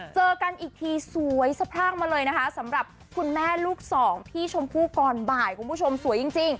เจอกันอีกทีสวยสะพรั่งมาเลยนะคะสำหรับคุณแม่ลูกสองพี่ชมพู่ก่อนบ่ายคุณผู้ชมสวยจริง